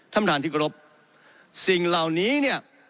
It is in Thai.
ท่านประธานที่กรบสิ่งเหล่านี้เนี่ย